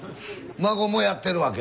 孫もやってるわけ？